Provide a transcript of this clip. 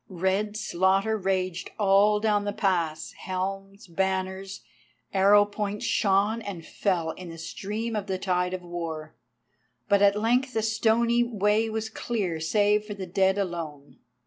Red slaughter raged all down the pass, helms, banners, arrow points shone and fell in the stream of the tide of war, but at length the stony way was clear save for the dead alone.